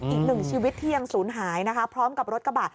อีกหนึ่งชีวิตที่ยังศูนย์หายนะคะพร้อมกับรถกระบะ